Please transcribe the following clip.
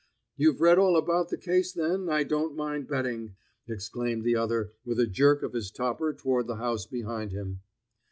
"You've read all about the case then, I don't mind betting!" exclaimed the other with a jerk of his topper toward the house behind him.